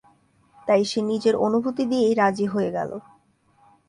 তাই সে নিজের "অনুভূতি" দিয়েই রাজি হয়ে গেল।